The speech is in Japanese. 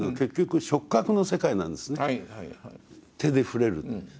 手で触れる。